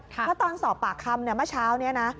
ถ้าตอนสอบปากคำมาเช้านี้นะ